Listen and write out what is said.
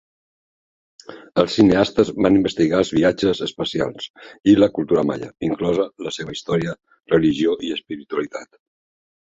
Els cineastes van investigar els viatges espacials i la cultura maia, inclosa la seva història, religió i espiritualitat.